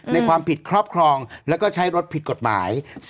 ในความผิดครอบครองแล้วก็ใช้รถผิดกฎหมาย